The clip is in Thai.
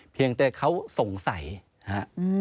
เพียงแต่เขาสงสัยฮะ